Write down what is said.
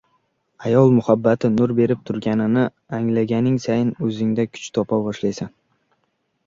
– ayol muhabbati nur berib turganini anglaganing sayin o‘zingda kuch topa boshlaysan.